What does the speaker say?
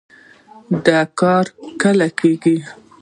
دا کار کله کېږي؟